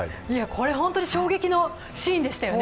これ、本当に衝撃のシーンでしたよね。